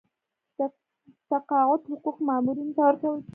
د تقاعد حقوق مامورینو ته ورکول کیږي